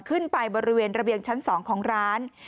ขึ้นไปบริเวณระเบียงชั้น๒ของร้าน